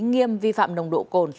nghiêm vi phạm nồng độ cồn